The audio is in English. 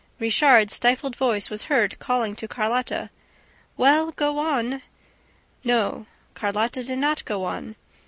Richard's stifled voice was heard calling to Carlotta: "Well, go on!" No, Carlotta did not go on